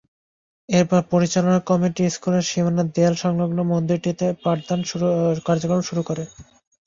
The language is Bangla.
এরপর পরিচালনা কমিটি স্কুলের সীমানা দেয়াল-সংলগ্ন মন্দিরটিতে পাঠদান কার্যক্রম শুরু করে।